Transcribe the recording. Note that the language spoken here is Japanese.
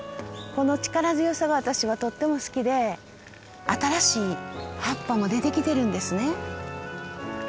この力強さは私はとっても好きで新しい葉っぱも出てきてるんですね。